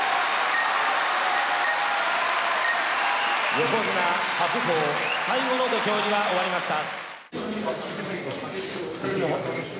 横綱・白鵬最後の土俵入りは終わりました